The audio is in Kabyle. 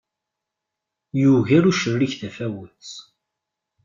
Yuger ucerrig tafawet.